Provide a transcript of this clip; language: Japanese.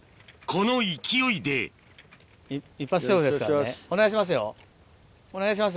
この勢いで一発勝負ですからねお願いしますよお願いしますよ。